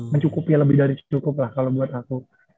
mencukupi lebih dari cukup lah kalau buat aku